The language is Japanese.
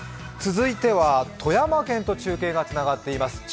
続いては富山県と中継がつながっています。